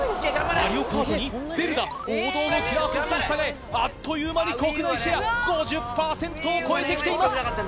『マリオカート』に『ゼルダ』王道のキラーソフトを従えあっという間に国内シェア５０％を超えて来ています。